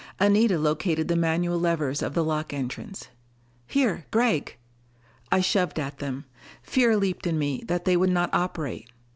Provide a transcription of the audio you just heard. Anita located the manual levers of the lock entrance. "Here, Gregg." I shoved at them. Fear leaped in me that they would not operate.